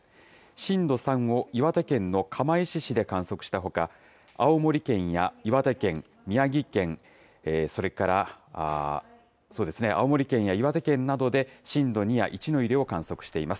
震度３を岩手県の釜石市で観測したほか、青森県や岩手県、宮城県、それから、青森県や岩手県などで、震度２や１の揺れを観測しています。